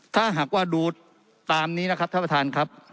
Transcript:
ถ้าหากว่าดูตามนี้นะครับท่านประธานครับ